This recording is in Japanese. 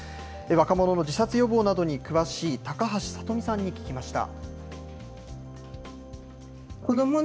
若者の自殺予防などに詳しい高橋聡美さんに聞きました。